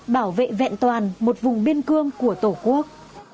bảo vệ vẹn toàn một vùng biên cương của tổ quốc